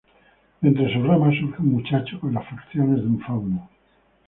De entre sus ramas, surge un muchacho con las facciones de un fauno.